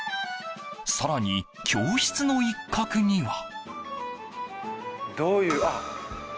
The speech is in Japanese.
更に、教室の一角には。